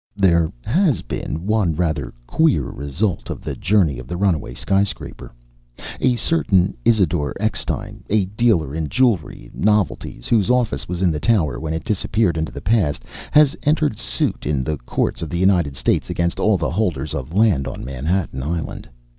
There has been one rather queer result of the journey of the runaway sky scraper. A certain Isidore Eckstein, a dealer in jewelry novelties, whose office was in the tower when it disappeared into the past, has entered suit in the courts of the United States against all the holders of land on Manhattan Island.